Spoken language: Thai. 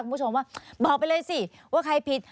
คุณผู้ชมว่าบอกไปเลยสิว่าใครผิด